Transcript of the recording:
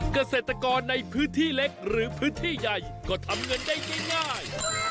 เกษตรกรในพื้นที่เล็กหรือพื้นที่ใหญ่ก็ทำเงินได้ง่าย